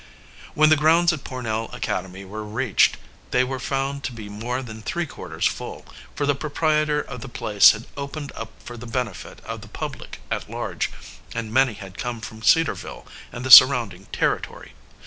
When the grounds at Pornell Academy were reached, they were found to be more than three quarters full, for the proprietor of the place had opened up for the benefit of the public at large, and many had come from Cedarville and the surrounding territory.